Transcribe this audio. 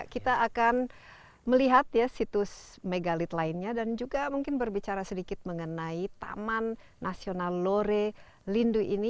kalian saya juga ingin menguatkan situs megalit lainnya dan juga mungkin berbicara sedikit mengenai taman nasional lore lindu ini